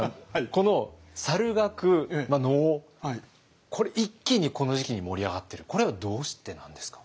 この猿楽能これ一気にこの時期に盛り上がってるこれはどうしてなんですか？